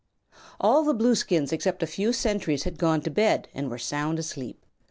All the Blueskins except a few sentries had gone to bed and were sound asleep.